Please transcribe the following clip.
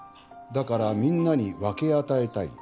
「だからみんなに分け与えたい」